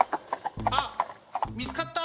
あっみつかった！